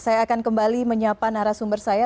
saya akan kembali menyiapkan arah sumber saya